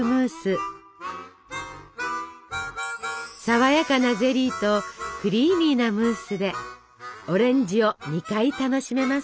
さわやかなゼリーとクリーミーなムースでオレンジを２回楽しめます。